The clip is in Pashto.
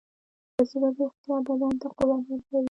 د زړه روغتیا بدن ته قوت ورکوي.